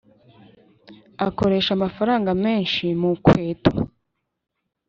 akoresha amafaranga menshi mukweto